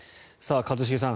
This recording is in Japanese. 一茂さん